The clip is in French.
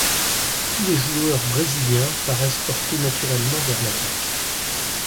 Tous les joueurs brésiliens paraissent portés naturellement vers l'attaque.